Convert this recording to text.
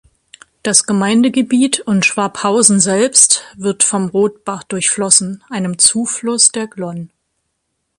Das Gemeindegebiet und Schwabhausen selbst wird vom Rothbach durchflossen, einem Zufluss der Glonn.